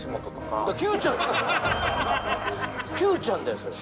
Ｑちゃん！